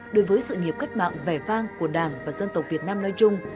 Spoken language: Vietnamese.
đối với sự nghiệp cách mạng vẻ vang của đảng và dân tộc việt nam nói chung